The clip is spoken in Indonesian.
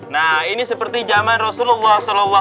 nah ini seperti zaman rasulullah saw